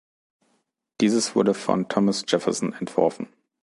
Dieses wurde von Thomas Jefferson entworfen.